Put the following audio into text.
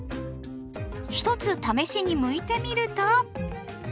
一つ試しにむいてみると。